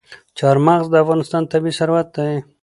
چار مغز د افغانستان طبعي ثروت دی.